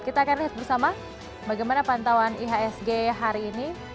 kita akan lihat bersama bagaimana pantauan ihsg hari ini